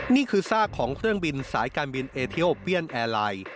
นี่คือซากของเครื่องบินสายการบินเอเทียลเปี้ยนแอร์ไลน์